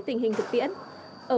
trong môn ngữ văn em làm được bài